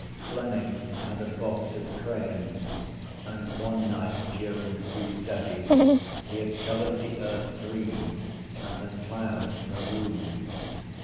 Fleming had a box of crayons and one night during free study he had coloured the earth green and the clouds maroon.